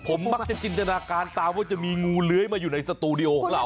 ผมมักจะจินตนาการตามว่าจะมีงูเลื้อยมาอยู่ในสตูดิโอของเรา